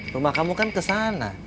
rumah kamu kan kesana